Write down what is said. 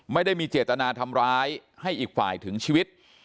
ไม่ได้มีเจตนาทำร้ายให้อีกฝ่ายถึงชีวิต